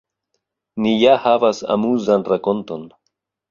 Ni ja havas amuzan rakonton